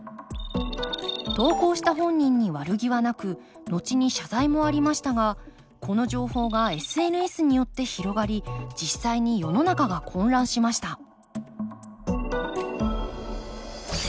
投稿した本人に悪気はなくのちに謝罪もありましたがこの情報がＳＮＳによって広がり実際に世の中が混乱しました